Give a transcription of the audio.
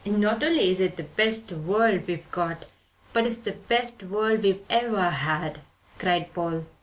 "Not only is it the best world we've got, but it's the best world we've ever had," cried Paul.